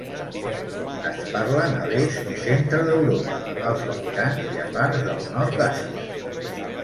Es parlen a l'est i centre d'Europa, als Balcans i a parts del nord d'Àsia.